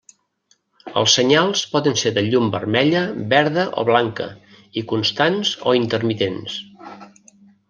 Els senyals poden ser de llum vermella, verda o blanca, i constants o intermitents.